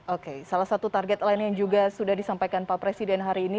oke salah satu target lain yang juga sudah disampaikan pak presiden hari ini